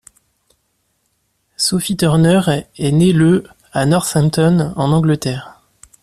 Sophie Turner est née le à Northampton en Angleterre.